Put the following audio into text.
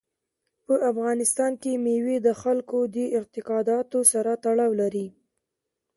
په افغانستان کې مېوې د خلکو د اعتقاداتو سره تړاو لري.